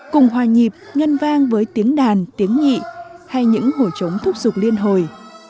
cùng hòa nhịp ngân vang với tiếng đàn tiếng nhị hay những hổ chống thúc giục liên hồi